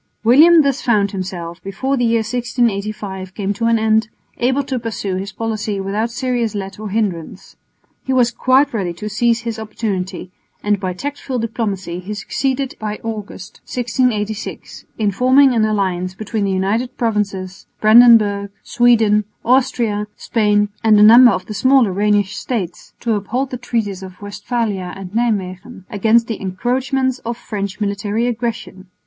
William thus found himself, before the year 1685 came to an end, able to pursue his policy without serious let or hindrance. He was quite ready to seize his opportunity, and by tactful diplomacy he succeeded by August, 1686, in forming an alliance between the United Provinces, Brandenburg, Sweden, Austria, Spain and a number of the smaller Rhenish states, to uphold the treaties of Westphalia and Nijmwegen against the encroachments of French military aggression.